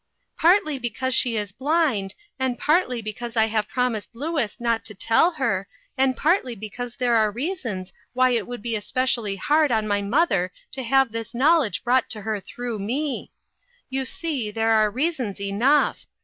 " Partly because she is blind, and partly because I have promised Louis not to tell her, and partly because there are reasons why it would be especially hard on my mother to have this knowledge brought to her through me. You see there are reasons enough.